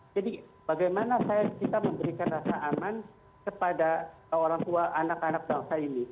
jadi bagaimana kita memberikan rasa aman kepada orang tua anak anak bangsa ini